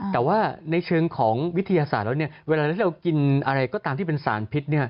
แต่ว่าในเชิงของวิทยาศาสตร์แล้วเวลาที่เรากินอะไรก็ตามที่เป็นสารพิษ